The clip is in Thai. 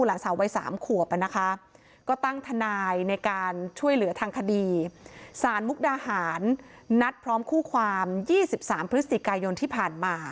หลานสาววัย๓ขวบนะคะก็ตั้งทนายในการช่วยเหลือทางคดีสารมุกดาหารนัดพร้อมคู่ความ๒๓พฤศจิกายนที่ผ่านมา